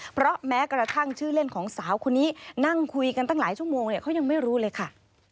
เพราะแม้กระทั่งชื่อเล่นของสาวคนนี้นั่งคุยกันตั้งหลายชั่วโมงเนี่ยเขายังไม่รู้เลยค่ะ